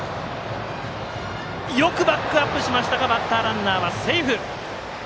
よくバックアップしましたがバッターランナーはセーフ。